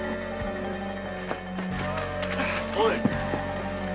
おい！